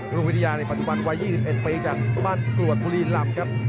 รุ่นวิทยาปัจจุบันวัย๒๑เป็นพี่จันทร์บ้านกลวดบุรีลำครับ